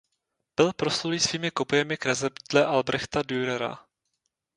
Byl proslulý svými kopiemi kreseb dle Albrechta Dürera.